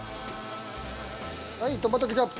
はいトマトケチャップ。